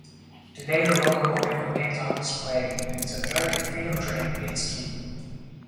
Today the locomotive remains on display in its American Freedom Train paint scheme.